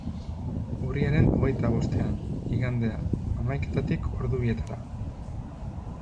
Urriaren hogeita bostean, igandea, hamaiketatik ordu bietara.